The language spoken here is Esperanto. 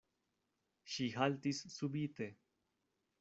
Ŝi haltis subite.